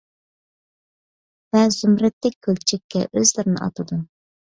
ۋە زۇمرەتتەك كۆلچەككە ئۆزلىرىنى ئاتىدۇ.